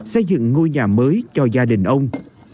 xây dựng ngôi nhà mới cho gia đình ông